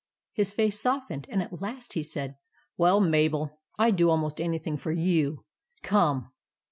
His face softened, and at last he said — "WELL, MABEL, I 'D DO ALMOST ANYTHING FOR YOU. COME